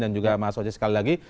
dan juga mas oce sekali lagi